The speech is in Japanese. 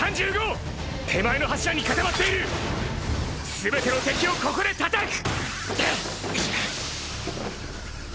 すべての敵をここで叩く！！